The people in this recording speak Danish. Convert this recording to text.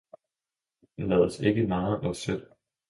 Lad os ikke narre os selv.